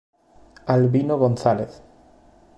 Albino González